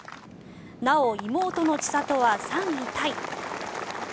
なお、妹の千怜は３位タイ。